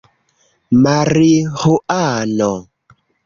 mariĥuano